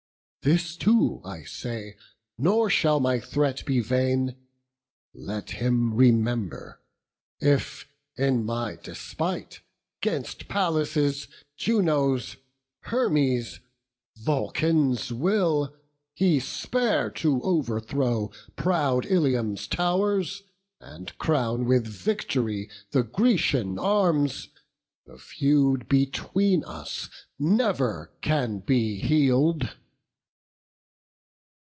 This too I say, nor shall my threat be vain: Let him remember, if in my despite, 'Gainst Pallas', Juno's, Hermes', Vulcan's will, He spare to overthrow proud Ilium's tow'rs, And crown with victory the Grecian arms, The feud between us never can be heal'd."